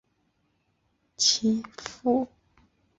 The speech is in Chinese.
其父赠为朝列大夫加中奉大夫衔。